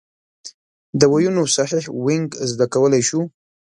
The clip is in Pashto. د ویونو صحیح وینګ زده کولای شو.